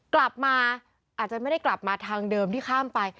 กลับมาอาจจะไม่ได้กลับมาทางเดิมที่ข้ามไป